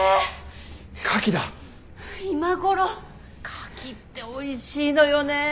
カキっておいしいのよね。